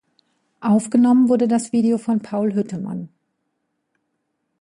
Aufgenommen wurde das Video von Paul Hüttemann.